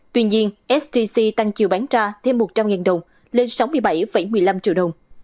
tuy nhiên sgc tăng chiều bán ra thêm một trăm linh đồng lên sáu mươi bảy một mươi năm triệu đồng